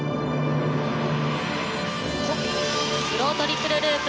スロートリプルループ。